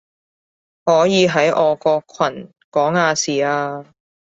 可以喺我個群講亞視啊